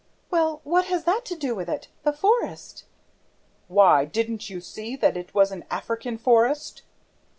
"Well, what has that to do with it? The forest?" "WHY, DIDN'T YOU SEE THAT IT WAS AN AFRICAN FOREST?"